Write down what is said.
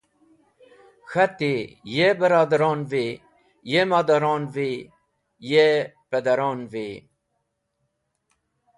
K̃hati: Ye barodaron’vi, ye modaron’vi, ye pardaron’vi!